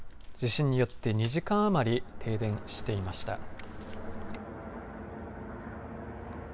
地震によって２時間余り停電していました。